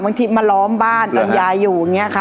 ที่มาล้อมบ้านตอนยายอยู่อย่างนี้ค่ะ